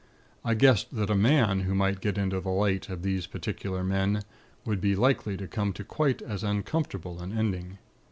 I guessed that a man who might get into the 'light' of those particular men, would be likely to come to quite as uncomfortable an ending.